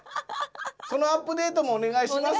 そのアップデートもお願いします。